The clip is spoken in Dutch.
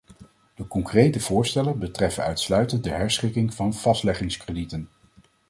De concrete voorstellen betreffen uitsluitend de herschikking van vastleggingskredieten.